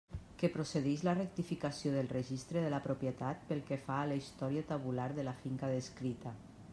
Que procedix la rectificació del registre de la propietat pel que fa a la història tabular de la finca descrita.